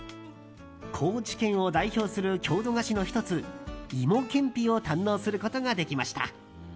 高知県を代表する郷土菓子の１つ芋けんぴを堪能することができました。